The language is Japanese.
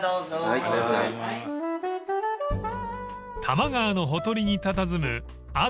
［多摩川のほとりにたたずむ］